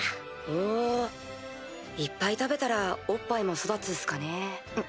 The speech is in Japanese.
ほいっぱい食べたらおっぱいも育つっすかね？